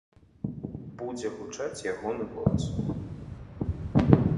Будзе гучаць ягоны голас.